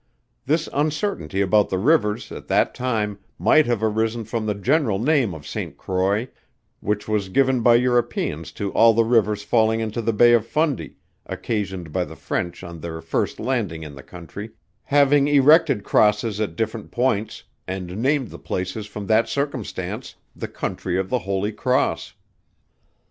This uncertainty about the rivers at that time might have arisen from the general name of St. Croix, which was given by Europeans to all the rivers falling into the Bay of Fundy, occasioned by the French on their first landing in the country, having erected crosses at different points, and named the places from that circumstance, the country of the Holy Cross.